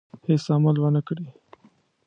هېڅ عمل ونه کړي.